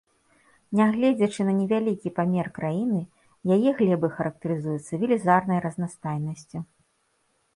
Нягледзячы на невялікі памер краіны, яе глебы характарызуюцца велізарнай разнастайнасцю.